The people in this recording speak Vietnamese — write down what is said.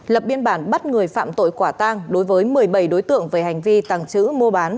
lập biên bản bắt người phạm tội quả tang đối với một mươi bảy đối tượng về hành vi tàng trữ mua bán